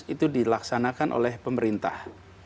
sembilan dua ratus itu dilaksanakan oleh pemerintah